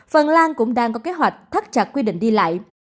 phần lan cũng đang có kế hoạch thắt chặt quy định đi lại